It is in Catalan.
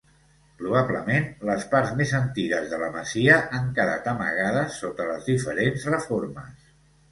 Probablement les parts més antigues de la masia han quedat amagades sota les diferents reformes.